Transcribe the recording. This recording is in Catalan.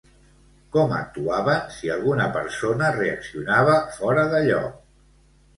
Com actuaven si alguna persona reaccionava fora de lloc?